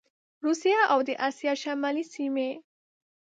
روسیه او د اسیا شمالي سیمي